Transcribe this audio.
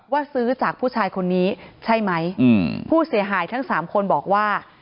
ซื้อจากผู้ชายคนนี้ใช่ไหมอืมผู้เสียหายทั้งสามคนบอกว่า